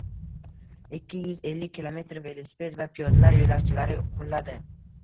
ikki yuz ellik kilometr velosiped va piyodalar yo‘lakchalari quriladi.